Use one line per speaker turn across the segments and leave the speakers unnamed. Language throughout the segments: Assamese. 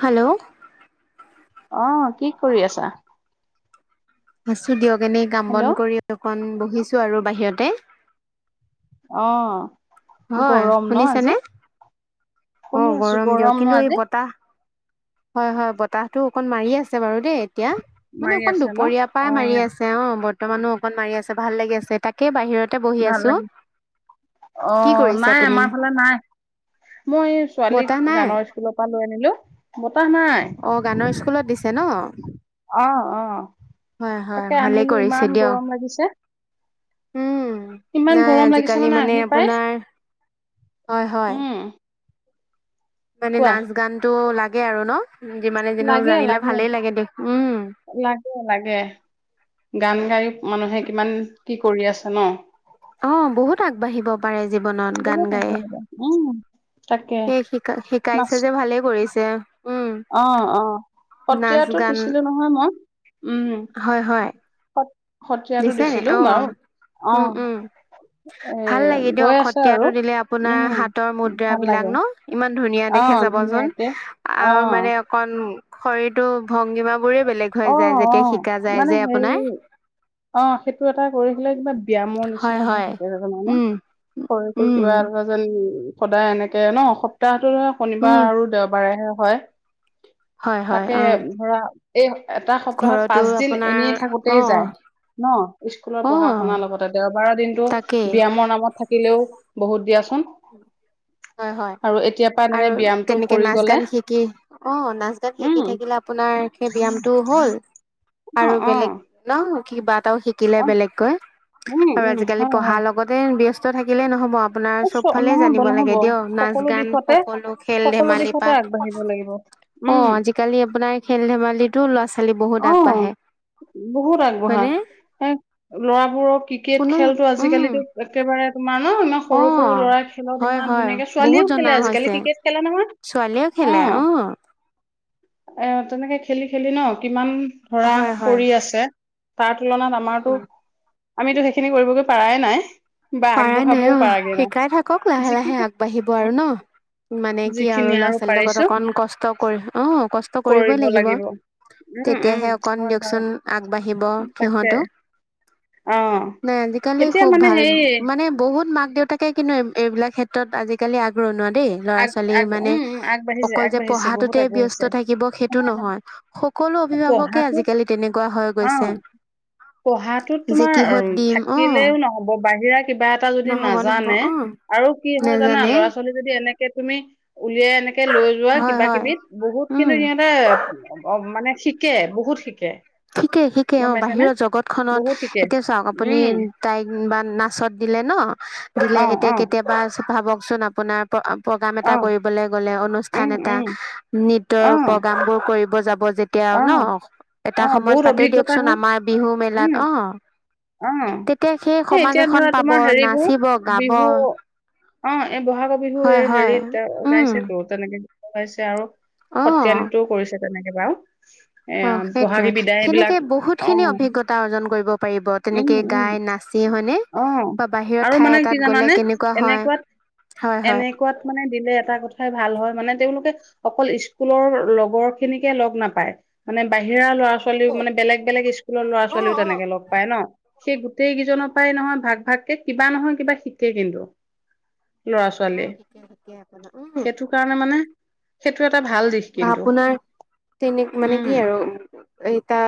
হেল্ল'।
অহ, কি কৰি আছা?
আছোঁ দিয়ক এনেই কাম বন
হেল্ল'
কৰি অকন বহিছো আৰু বাহিৰতে।
অহ।
হয়, শুনিছেনে? অ',
শুনি আছো
গৰম দিয়ক,
ন
কিন্তু এই
আজি
বতাহ হয়, হয়, বতাহটো অকণ মাৰি আছে বাৰু দেই। এতিয়া, মানে
মাৰি
অকণ
আছে ন?
দুপৰীয়াৰ পৰাই মাৰি
অ',
আছে অ', ব বৰ্তমানো অকণ মাৰি আছে, ভাল লাগি আছে, তাকেই বাহিৰতে বহি
ভাল
আছোঁ।
লাগিল অ', নাই, আমাৰ ফালে নাই। মই ছোৱালীক
বতাহ নাই
গানৰ স্কুলৰ পৰা লৈ আনিলো, বতাহ নাই।
নৰ স্কুলত দিছে নহ?
অ', অ', তাকে
ভালেই
আনিলো,
কৰিছে
ইমান
দিয়ক
গৰম লাগিছে।
উম
ইমান
নাই,
গৰম লাগিছে
আজিকালি মানে
আহি পাই
আপোনাৰ, হয়, হয়।
উম।
মানে
কোৱা
নাচ গানটো লাগে আৰু নহ, যিমানেই যি নহওঁক জানিলে ভালেই লাগে দেই।
লাগে, লাগে। গান গাই মানুহে কিমান কি কৰি আছে নহ।
অ', বহুত আগবাঢ়িব পাৰে জীৱনত গান
বহুত
গায়েই।
উম তাকে
সেই শিকা
নাচ
শিকাইছে যে ভালেই কৰিছে উম। নাচ
সত্ৰীয়াটোত
গান
দিছিলো নহয় মই। উম
হয় হয়।
সত সত্ৰীয়াটো
দিছে নি,
দিছিলো বাৰু
অ',
অ
উম, উম।
এ
ভাল লাগে
গৈ
দিয়ক, সত
আছে আৰু
কীয়াটো দিলে আপোনাৰ
উম
হাতৰ মুদ্ৰা
ভাল
বিলাক
লাগে
নহ, ইমান
অ
ধুবোন
ধুনীয়াকে অ
আৰু মানে অক শৰটো ভংগীমা বোৰে বেলেগ
অ
হৈ যায়
অ
যেতিয়া শিকা যায়
মানে
যে
হেৰি
আপোনাৰ
অ' সেইটো এটা কৰিহে কিবা ব্যায়ামৰ
হয়
নিচিনা হৈ
হয়
থাকে জ জানানে
উম
হয় তো
উম
কিবাজান উ সদায় এনেকে ন সপ্তাহটো শনিবাৰ
উম
আৰু দেওবাৰেহে হয়।
হয় হয়
তাকে
অ
ধৰা এই এটা সপ্তাহত
ঘৰতো
পাঁচদিন
আপোনাৰ
এনেই
অ
থাকোঁতেই যায় ন স্কুলৰ
অ
পঢ়া শুনাৰ লগতে দেওবাৰৰ দিনটো
তাকেই
ব্যয়ামৰ নামত থাকিলেও বহুত দিয়াচোন
হয় হয়
আৰু এতিয়াৰ পৰা এনেকে
আৰু
ব্যায়ামটো
তেনেকে
কৰি
নাচ
গলে
গান শিকি অ নাচ গান শিকি
উম
থাকিলে আপোনাৰ সেই ব্যায়ামটো হ'ল
অ
আৰু
অ
বেলেগ ন কিবা এটাও শিকিলে
অ
বেলেগকৈ
উম
আৰু
উম
আজিকালি
হয়
পঢ়াৰ
হয়
লগতে ব্য্স্ত থাকিলেই নহব আপোনাৰ
এই
চ'ব
চ-
ফালে
নহব
জানিব
নহব
লাগে। দিয়ক,
সকলো
নাচ-গান
দিশতে
সকলো
সকলো
খেল-ধেমালি
দিশতে আগবাঢ়িব লাগিব
পাৰ অ'
উম
আজিকালি আপোনাৰ খেল ধেমালিতো ল'ৰা-ছোৱালী বহুত
অ
আগবাঢ়ে।
বহুত আগবঢ়া
হয়নে
এ ল'ৰাবোৰৰ ক্ৰিকেট
কোনো
খেলতটো
উম
আজিকালো একেবাৰে তোমাৰ নো ইমান
অ
সৰু সৰু ল'ৰা খেলত
হয়
ইমান
হয়
ধুনীয়াকে
বহুত
ছোৱালীও
জনা
খেলে আজিকালি
হৈছে
ক্ৰিকেট খেলে নহয়
ছোৱালীয়েও খেলে অ
অ'। এ তেনেকে খেলি খেলি ন কিমান ধৰা
হয় হয়
কৰি আছে। তাৰ তুলনাত আমাৰতো,
উম
আমিতো সেইখিনি কৰিবগৈ পাৰাই নাই বা
পাৰা নাই
আগবঢ়াবো
অ শিকাই থাকক লাহে লাহে আগবাঢ়িব আৰু ন। মানে কি আৰু
যিখিনি
ল'ৰা ছোৱালীৰ লগত
পাৰিছো
অকন কষ্ট কৰি অহ কষ্ট কৰিবই লাগিব।
উম উম
তেতিয়াহে অকণ
হয় হয়
দিয়কচোন, আগবাঢ়িব
তাকে
সিহঁতো।
অ
নাই আজিকালি
এতিয়া
খুব
মানে
ভাল।
হেৰি
মানে বহুত মাক দেউতাকে কিন্তু এইবিলাক ক্ষেত্ৰত আজিকালি আগৰণোৱা। দেই ল'ৰা
আগ
ছোৱালী
আগ
মানে
উম উম আগবাঢ়িছে
অকল যে
আগবাঢ়িছে বহুত
পঢ়াটোতে ব্যস্ত
আগবাঢ়িছে
থাকিব সেইটো নহয়। সকলো অভিভাৱকে
পঢ়াটোত
আজিকালি তেনেকুৱা হৈ
অ
গৈছে
পঢ়াটোত
যে
তোমাৰ
কিহত
অ'
দিম অ
থাকিলেও নহ'ব, বাহিৰা কিবা এটা যদি
নহ'ব নহ'ব
নাজানে
অ
আৰু কি হয় জানা
নেজানে
ল'ৰা ছোৱালী যদি এনেকে তুমি উলিয়াই এনেকে লৈ যোৱা
হয়
কিবা
হয়
কিবিত বহুত
উম
কিন্তু সিহঁতে অ' মানে। শিকে, বহুত শিকে।
শিকে, শিকে
গম
অ'
পাইছানে
বাহিৰৰ জগত খনত
বহুত শিকে
এতিয়া চাওঁক, আপুনি
উম
তাইক বা নাচত দিলে দিলে ন দিলে
অ
এতিয়া
অ
কেতিয়াবা ভাবকচোন আপোনাৰ প্ৰগ্ৰাম
অ
এটা কৰিবলে গ'লে অনুষ্ঠান
উম
এটা
উম অ
নৃত্তয়ৰ প্ৰগ্ৰাম বোৰ কৰিব যাব যেতিয়া
অ
ন
অ
এটা সময়ত
বহুত
পাতে
অভিজ্ঞতা
দিয়কচোন
হয়
আমাৰ বিহু, মেলাত
উম
অ'।
অ
তেতিয়া, সেই
এই
সমাজ
এতিয়া
এখন
ধৰা
পাব।
তোমাৰ হেৰিবোৰ
নাচিব, গাব
বিহু অ' এই বহাগৰ বিহু
হয়
এই
হয়
হেৰিত
উম
গাইছেতো, তেনেকে। গাইছে আৰু সত্ৰিয়া
অ
নৃত্যও কৰিছে তেনেকে বাৰু। এ
অ' সেইটোৱে
বহাগী বিদায় এইবিলাক
সেনেকে বহুত
অ
খিনি অভিজ্ঞতা অৰ্জন কৰিব পাৰিব
উম
তেনেকে
উম
গাই, নাচি হয়।
অ' আৰু মানে কি জানানে
কেনেকুৱা হয়
এনেকুৱাত।
হয় হয়
এনেকুৱাত মানে দিলে এটা কথাই ভাল হয়, মানে তেওঁলোকে অকল ইস্কুলৰ লগৰখিনিকে লগ নাপায়। মানে বাহিৰা ল'ৰা, ছোৱালীও মানে বেলেগ, বেলেগ ইস্কুলৰ ল'ৰা,
অ
ছোৱালীও
অ
তেনেকে লগ পায় ন? সেইগোটেই কিজনৰ পৰাই নহয় ভাগ, ভাগকে কিবা নহয়, কিবা শিকেই কিন্তু। ল'ৰা,
অ
ছোৱালীয়ে।
শিকে শিকে আপোনাৰ উম
সেইটো কাৰণে মানে সেইটো এটা ভাল দিশ
বা
কিন্তু
আপোনাৰ তেনে মানে
উম
কি আৰু এটা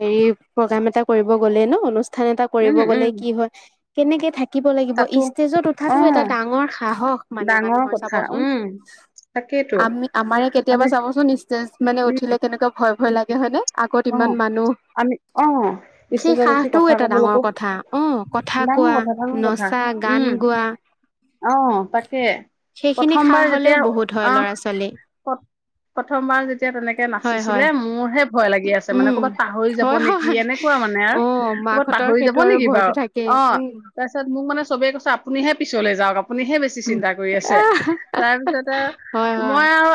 হেৰি প্ৰগ্ৰাম এটা কৰিব গ'লে ন অনুষ্ঠান এটা
উম
কৰিব
উম
গ'লে কি হয় কেনেকে থাকে থাকিব লাগিব,
তাতো
ইষ্টেজত
অ
উঠাটো এটা ডাঙৰ সাহস মানে
ডাঙৰ
মানুহৰ
কথা
চাবচোন।
উম তাকেইতো
আমি-আমাৰে
আমি
কেতিয়াবা চাবচোন, ইষ্টেজ মানে
উম
উঠিলে কেনেকুৱা ভয়, ভয় লাগে হয়নে? আগত
অ
ইমান মানুহ।
আমি অ
সেই
ষ্টেজত উঠি
সাহটোও
কথা
এটা ডাঙৰ
কবলৈকো
কথা অ কথা
ডাঙৰ
কোৱা নচা, গান গোৱা।
আহ তাকে
সেইখিনি সাহ
প্ৰথমবাৰ
হলেও
যেতিয়া
বহুত হয় ল'ৰা ছোৱালী
আহ। প্ৰথমবাৰ যেতিয়া তেনেকে
হয়
নাচিছিলে
হয়
মোৰ হে ভয় লাগি আছে। মানে
উম
ক'ৰবাত পাহৰি যাব
হয়
নেকি
হয়
এনেকুৱা মানে আৰু
অ
ক'বাত
মাকহঁতৰ
পাহৰি যাব
সেইটো আৰু
নেকি
ভয়তো
বাৰু
থাকেই
অ।
উম
তাৰপিছত মানে চবেই কৈছে আপুনিে পিছলৈ যাওক। আপুনিহে বেছি চিন্তা কৰি আছে
আহ
তাৰপিছতে
হয় হয়
মই আৰু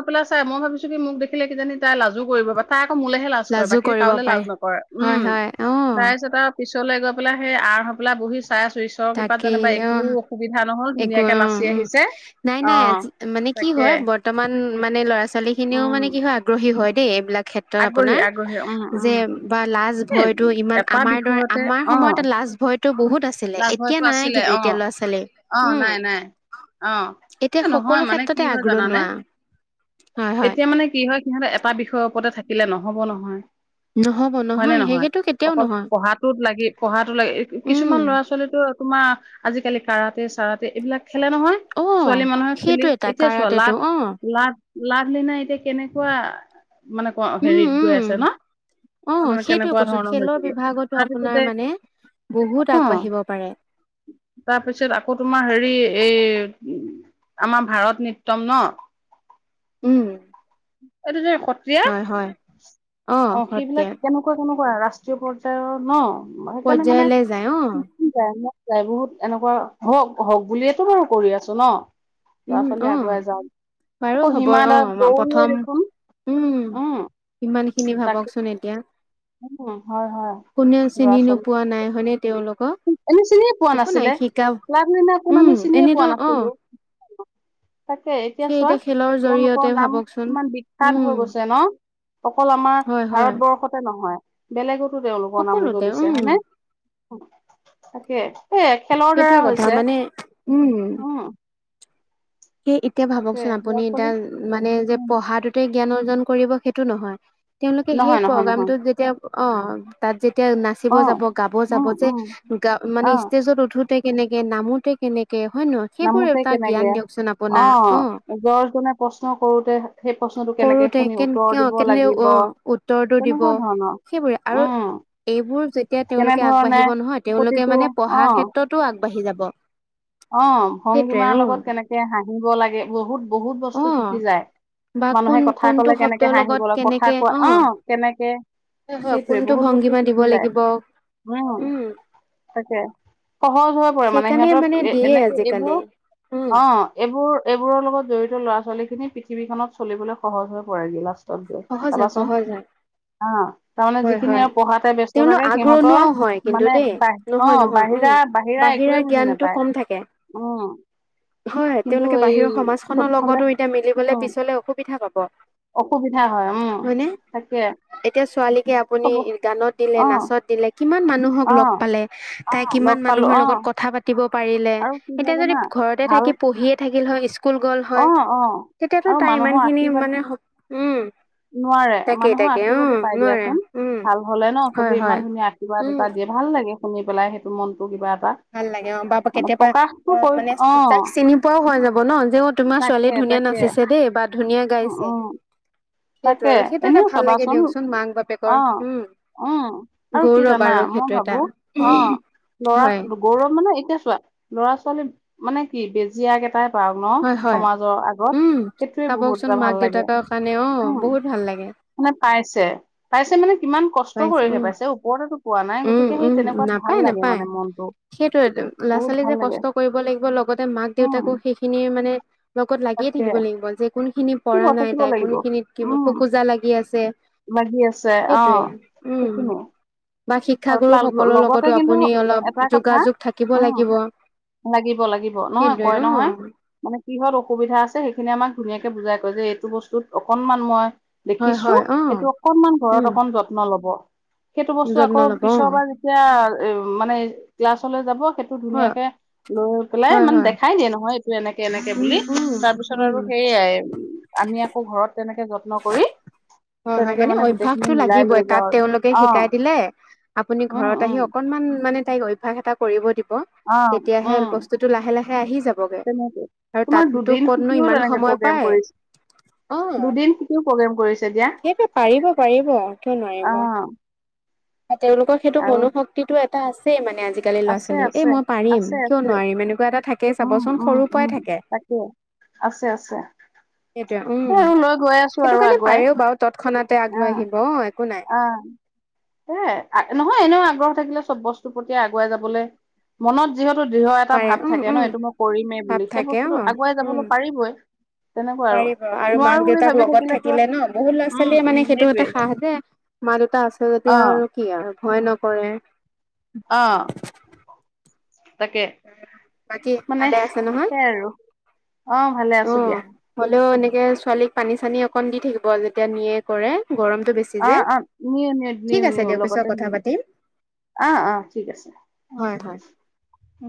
আ- পেল চাই মই ভিছো কি মোক দেখিলে কিজানি তাই লাজু কৰিব বা তাই আকৌ মো- ে লাজ কৰে
লাজো
বাকী
কৰিব
কালে
পাৰে
লাজ নকৰে
হয়
উম
হয় অ
তাৰপিছত আৰু। পিছলৈ গৈ পেলাই সেই আ় পেলাই বহি। চাই আছো ঈশ্বৰৰ কৃপাত
তাকেই
যেনিবা
অ
একো অসুবিধা নহল
একো
ধুনীয়াকে
অ
নাচি
উম
আহিছে
নাই
অ।
নাই আজি মানে কি
তাকে
হয় বৰ্তমান মানে ল'ৰা ছোৱালী খিনিও
উম
মানে কি হয় আগ্ৰহী হয়, দেই এইবিলাক ক্ষেত্ৰত
আগ্ৰহী
আপোনাৰ
আগ্ৰহী উম
যে
উম
বা লাজ
এই
ভয়তটো ইমান
এটা
আমাৰ দৰে
বিষয়তে
আমাৰ
অ
সময়ত লাজ ভয়। টো বহুত আছিলে।
লাভ
এতিয়া
হয়তো
নাই
আছিলে
কিন্তু
অ
এতিয়া ল'ৰা ছোৱালী
অ
উম
নাই নাই। অ
এতিয়া
নহয়
সকলো
মানে কি
ক্ষেত্ৰতে
হয় জানানে।
আগৰণুৱা হয় হয়
এতিয়া মানে কি হয় সিহঁত এটা বিষয়ৰ ওপৰতে থাকিলে নহব নহয়।
নহব
হয়নেে নহয়
সেইটো কেতিয়াও
অকল
নহয়
পঢ়াটো লাগি পঢ়াো লাগি।
উম
কিছুমান ল'ৰা ছোৱালীতো তোমাৰ আজিকালি কাৰাটে চাৰাতে এইবিলাক-, খেলে নহয়
অ
ছোৱালী মানুহে
সেইটো
খেলি
এটা
এতিয়া চোৱা
কাৰাতেটো
লাাট
অ
লাাট। লাভলীনা এতিয়া কেনেকুৱা মানে ক
উম
হেৰিত গৈ
উম
আছে ন।
অ
অন
সেইটোৱে
কেনেকবাৰ
কৈছো খেলৰ
হণৈছিলগ
বিভাগতো
তাপি
আপোনাৰ
কতে।
মানে বহুত
অ
আগবাঢ়িব পাৰে
তাৰপিছত আকৌ তোমাৰ হেৰি এই। উ আমাৰ ভাৰত নৃত্ম ন।
উম
এইটো যে সত্ৰীয়া
হয় হয়
অ সেইবিলাক কেনেকুৱা কেনেকুৱা। ৰাষ্ট্ৰীয় পৰ্যায়ৰ ন সেইকাৰণে মানে।
পৰ্যায়লৈ যায় অ
যাই বহুত এনেকুৱা হওক হওক বুলিয়েতটো বাৰু কৰি আছো ন। ল'ৰা
উম
ছোৱালী
অ
আগুৱাই যাাম
বাৰু
আকৌ
হ'ব
হিমা
অ
দাস দৌৰিয়ে।
প্ৰথম
দেখোন
উম ইমান খিনি
তাকে
ভাবকচোন এতিয়া।
উম হয় হয়
কোনে চিনি নোপোৱা নাই হয়নে এয়া।
এনেি চিনিয়ে পোৱা নাছিলে
শিকা
ক্লাকদিনা কোন আমি
উম
চিনিয়ে পোৱা
এনেতো অ
নাছিলো। তাকে এতিয়া
সেই
চোৱা
খেলৰ
তেওঁলোকৰ
জৰিয়তে
নাম
ভাবকচোন
ইমান বিখ্যাত হৈ
উম
গৈছে ন। অকল আমাৰ
হয় হয়
ভাৰতবৰ্ষতে নহয় বেলেগত। তেওঁলোকৰ নাম
সকলোতে
উজলিছে
উম
হ নে তাকে। স খেলৰ দ্বাৰা
সেইটোয়ে কথা
হৈছে
মানে উম
উম।
সেই এতিয়া
তাকে
ভাবকচোন
ল'ৰা
আপুনি
ছোৱালী
এতিয়া মানে যে
উম,
পঢ়াটোতে জ্ঞান অৰ্জন কৰিব সেইটো নহয়। তেওঁলোকে সেই
নহয় নহয় নহয়
প্ৰগ্ৰামটোত যেতিয়া অ তাত যেতিয়া এতিয়া নাচিব
অ
যাব গাব যাব
উম
যে
উম
গা মানে
অ
ষ্টেজত উঠোতে কেনেকে নামোতে কেনেকে। হয় নহয় সেইবোৰ এটা জ্ঞান দিয়ক।
অঁ জ্বৰ্জনে প্ৰশ্ন কৰোতে সেই প্ৰশ্নটো কেনেকে
কৰোতে
শুনি উত্তৰ
কেনে
দিব
অঁ কেনে
লাগিব
অঁ উত্তৰটো দিব
তেনেকুৱা ধৰণৰ
সেইবোৰে আৰু
উম
এইবোৰ যেতিয়া তেওঁলোকে
কেনেধৰণে
আগবাঢ়িব নহয় তেওঁলোকে
প্ৰতিটো
মানে পঢ়া
অ
ক্ষেত্ৰতো আগবাঢ়ি যা
অ ভংগীমাৰ লগত কেনেকে হাঁহিব লাগে বহুত বহুত
অ
বস্তু শিকি যায়।
বা
মানুহে
কোন
কথা
কোনটো
কলে কেনেকে
শব্দৰ
হাঁহি গ ল
লগত
কথা
কেনেকে
কোৱা অ কেনেকে।
হয় হয়
সেইটোৱে
কোনটো
বহুত বস্তু
ভংগীমা দিব
শিকি যায়
লাগিব
উম তাকে। সহজ হৈ পৰে
সেইকাৰে
সিহঁতৰ
মানে।
এ
দিয়ে
এনেকে
আজিকালি
এইবোৰ
উম
অ এইবোৰ- বোৰ এইবোৰৰ লগত জড়িত ল'ৰা ছোৱালী খিনি পৃথিৱী খনত চলিবলৈ সহজ হৈ পৰেগিলা। তত দ
সহজ হয়
চাবাচোন।
সহজ হয়
অ, তাৰমানে
হয়
যিখিনি
হয়
আৰু পঢ়াতে ব ব্যস্ত
তেওঁলোক
থাকে সিহতৰ
আগৰণুৱাও হয় কিন্তু
মানে
দেই
ব অ,
নহয় নহয়
বাহিৰ
উম
বাহিৰা- বাহিৰা একোৱে বুজি
জ্ঞানটো
নাপায়
কম থাকে
উম,
হয়
কিন্তু
তেওলোকে
এই
বাহিৰৰ সমাজখনৰ
চবফালে
লগতো এতিয়া মিলি গলে পিছলে অসুবিধা পাব।
সুবিধা হয় উম,
হয়নে?
তাকে।
এতিয়া ছোৱালীকে আপুনি
হ'ব
গানত দিলে
অ
নাচত দিলে কিমান মানুহক
অ
লগ পালে। তাই
লগ
কিমান
পালো
মানুহৰ
অ
লগত কথা পাতিব পাৰিলে
আৰু কি হয়
এতিয়া
জানা
যদি ঘৰতে
ভাল
থাকি পঢ়িয়ে থাকিল হয়। স্কুল গল
অ
হয়
অ আৰু
তেতিয়াতো তাৰ ইমান
মানুহৰ
খিনি
আশীৰ্বাদ
মানে উম।
নোৱাৰে
তাকেই
মানুহৰ
তাকে অ
আশীৰ্বাদো পাই
নোৱাৰে
দিয়াচোন
উম
ভাল হলে ন
হয়
চবে
হয়
ইমান ধুনীয়া আশীৰ্বাদ
উম
এটা দিয়ে ভাল ন। লাগে শুনি পেলাই সেইটো মনটো কিবা এ।
ভাল লাগে অ, বা কেতিয়াবা অ,
কৰি
মানে
অ
যাকক চিনি পোৱাও হৈ যাব ন যি তোমাৰ
তাকে
ছোৱালী ধুনীয়া
তাকে
নাচিছে দেই বা ধুনীয়া
উ
গাইছে।
উম
সেইটো
তাকে
আৰু সেইটো এটা
এনেও
ভাল লাগে
চাবাচোন
দিয়কচোন মাক
অ,
বাপেকৰ উম
অহ, আৰু কি
গৌৰৱ
জানা
আৰু
মই
সেইটো এটা
ভাবো অ, লৰা
হয়
গৌৰৱ মানে এতিয়া চোৱা ল'ৰা ছোৱালী মানে কি বেজিয়গ এটাই পাওক ন।
হয় হয়
সমাজৰ আগত
উম
সেইটোৱে বহুত এটা
চাবকচোন মাক
ভাল লাগে
দেউতাকৰ কাৰণে অ
উম,
বহুত ভাল লাগে
মানে পাইছে পাইছে মানে কিমান কষ্ট কৰিহে পাইছে ওপৰত
উম - উম নাপায় - নাপায়
মানে মনটো
সেইটোয়ে ল'ৰা
বহুত
ছোৱালী
ভাল
যে
লাগে
কষ্ট কৰিব লাগিব লগ লগতে মাক
উম
দেউতাকো সেইখিনি মানে লগত লাগিয়ে
তাকে
থাকিব লাগিব যে কোনখিনি পৰা
থাকিব
নাই
থাকিব
তাই
লাগিব
কোনখিনিত ক
উম
শোকোজা লাগি আছে।
লাগি আছে অ
সেইটোৱে উম,
সেইখিনিয়ে
বা
আৰু
শিক্ষাগুৰু
তাৰ
সকলৰ
লগতে
লগতো
কিন্তু
আপুনি
এটা
অলপ
কথা
যোগাযোগ থাকিব
উম
লাগিব।
লাগিব- লাগিব নহয়
সেইটোৱে
কয় নহয়
অ
মানে কিহত অসুবিধা আছে সেইখিনি আমাক ধুনীয়াকে বুজাই কয় যে এইটো বস্তুত অকনমান মই
হয়,
দেখিছো
হয়,
সেইটো
অ',
অকনমান ঘৰত
উম,
অকন যত্ন লব সেইটো। বস্তু
যত্ন
আকৌ
ল'ব অ',
পিছৰবাৰ যেতিয়া এ মানে ক্লাছলৈ যাব। সেইটো
হয়,
ধুনীয়াকে লৈ পেলাই
হয়,
মানে
হয়।
দেখাই দিয়ে নহয়। এনেকে এনেকে
উম,
বুলি
উম,
তাৰ পিছত
উম,
আৰু সেইয়াই আমি আকৌ ঘৰত। তেনেকে যত্ন কৰি
হয়, হয়,
তেনেকে মানে গোটেইখিনি
অভ্যাসটো
মিলাই
লাগিবই
লৈ
তাত
যাও আৰু
তেওঁলোকে
অ,
শিকাই দিলে আপুনি
উম
ঘৰত
উম
আহি অকনমান মানে তাইক অভ্যাস এটা কৰিব দিব।
অ
তেতিয়াহে
উম
বস্তুতটো লাহে-লাহে আহি যাবগে।
তেনেকে
আৰু
তোমাৰ
তাততো
দুদিন
কতনো ইমান সময় পাই।
দুদিনতিও প্ৰগ্ৰেম কৰিছে। দিয়া।
সেইটো পাৰিব - পাৰিব কিয়
অ'
নোৱাৰিব। তেওলোকৰ সেইটো
আৰু
মনো শক্তিতটো এটা আছে মানে আজিকালি ল'ৰা
আছে
ছোৱালী এই
আছে
মই পাৰিম
আছে
কিয়
আছে
নোৱাৰিম এনেকুৱা এটা থাকে। থাকেই
উম
চাবচোন
- উম
সৰুৰ
-
পৰাই
উম, তাকে আছে - আছে।
সেইটোৱে উম।
স আৰু লৈ গৈ আছো
সেইটো
আৰু
কাৰণে
আগুৱাই।
পাৰেও বাৰু তৎক্ষণাতে
আহ
আগবাঢ়িব অ একো নাই
- আহ নহয় এনেও আগৰ থাকিলে চব বস্তুৰ প্ৰতি আগুৱাই যাবলৈ মনত যি দৃঢ় এটা
পাৰে
ভাৱ
উম
থাকে ন
উম
এইটো মই কৰিমেই
ভাৱ
বুলি সেই
থাকে
বস্তুতটো
অ উম
আগুৱাইাবলৈ পাৰিবই।
পাৰিব আৰু
নোৱাৰো
মাক
বুলি
দেউতাক
ভাবি
লগত
তো
থাকিলে ন বহুত ল'ৰা
উম
ছোৱালীয়ে
উম
মানে। সেইটো
সেইটোৱে
এটা সাহ দে মা দেউতা আছে যেতিয়া
অ'
আৰু কি আৰু ভয় নকৰে।
আহ। তাকে
বাকী
মানে
ভালে আছে নহয়
সেইয়াই আৰু অ, ভালে আছো দিয়া।
হেল্ল', এনেকে ছোৱালীক পানী চানী অকণ দি থাকিব যেতিয়া নিয়ে কৰে। গৰমতটো বেছি যে
অ', অ', নিউ নিউ নিউ
ঠিক
নিউ
আছে দিয়ক পিছত
লগতে নিউ
কথা পাতিম।
অ - অ ঠিক আছে
হয় হয়
অ,